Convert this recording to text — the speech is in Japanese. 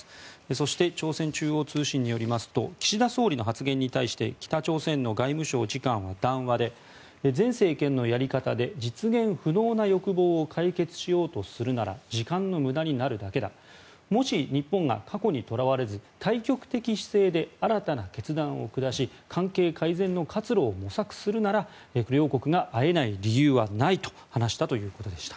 そして、朝鮮中央通信によりますと岸田総理の発言に対して北朝鮮の外務省次官は談話で前政権のやり方で実現不能な欲望を解決しようとするなら時間の無駄になるだけだもし日本が過去にとらわれず大局的姿勢で新たな決断を下し関係改善の活路を模索するなら両国が会えない理由はないと話したということでした。